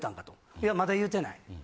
「いやまだ言うてない」。